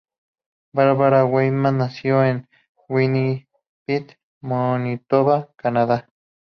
Barbara Weidman nació en Winnipeg, Manitoba, Canadá.